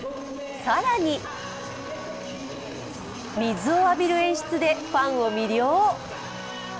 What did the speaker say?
更に水を浴びる演出でファンを魅了。